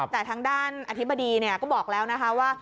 แต่ทางด้านอธิบดีก็บอกแล้วนะคะว่า